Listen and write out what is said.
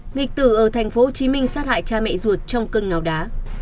nghịch tử ở tp hcm sát hại cha mẹ ruột trong cơn ngào đá